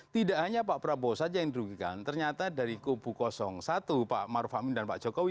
tidak hanya pak prabowo saja yang dirugikan ternyata dari kubu satu pak maruf amin dan pak jokowi